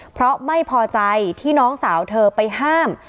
เพราะไม่พอใจที่น้องสาวเธอไปห้าม